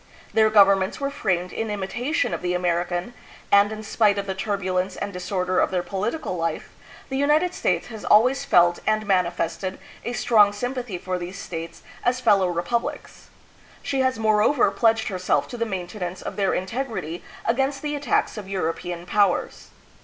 Their governments were framed in imitation of the Amer ican, and in spite of the turbulence and disorder of their political life, the United States has always felt and mani fested a strong sympathy for these states as fellow repub lics. She has moreover pledged herself to the mainte nance of their integrity against the attacks of European powers.